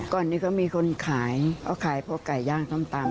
ก่อนนี้เขามีคนขายเขาขายพวกไก่ย่างส้มตำ